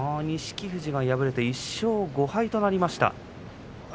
錦富士が敗れて１勝５敗となりました。